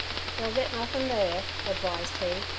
'Yer'll get nothin' there' advised he.